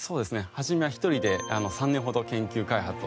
初めは１人で３年ほど研究・開発をしたうえで。